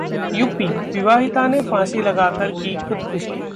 UP विवाहिता ने फांसी लगाकर की खुदकुशी